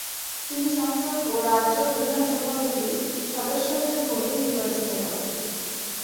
তিনি সংসদ ও রাজ্য বিধানসভাগুলির সদস্যদের ভোটে নির্বাচিত হন।